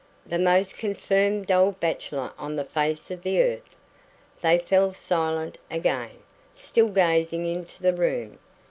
The most confirmed old bachelor on the face of the earth." They fell silent again, still gazing into the room.